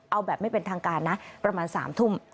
เอาแบบไม่เป็นทางการนะประมาณ๓ทุ่ม